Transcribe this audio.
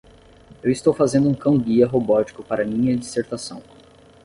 Eu estou fazendo um cão-guia robótico para minha dissertação.